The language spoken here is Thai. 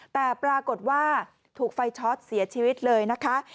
แต่ปรากฏว่าถูกไฟช็อตเสียชีวิตเลยนะคะ